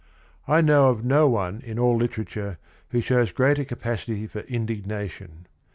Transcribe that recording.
I know of no one in all literature who shows greater capacity for indignation.